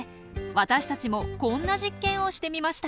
私たちもこんな実験をしてみました。